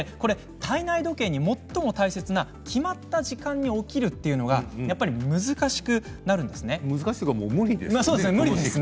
体内時計に最も大切な決まった時間に起きることが難しくなるんですね。